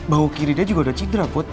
bau kiri dia juga udah cedera put